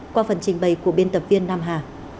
qua phần trình bày của biên tập viên nam hà